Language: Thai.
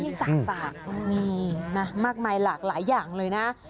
นี่สากนี่นะมากมายหลากหลายอย่างเลยนะ